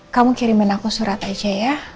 kamu kirimin aku surat aja ya